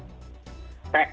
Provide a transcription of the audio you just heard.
pr itu kan adalah